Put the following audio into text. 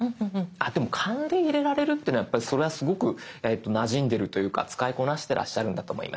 あっでも勘で入れられるっていうのはやっぱりそれはすごくなじんでいるというか使いこなしてらっしゃるんだと思います。